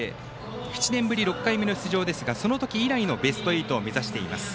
７年ぶり６回目の出場ですがその時以来のベスト８を目指しています。